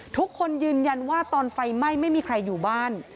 ทุกคนยืนยันว่าตอนไฟไหม้ไม่มีใครอยู่บ้าน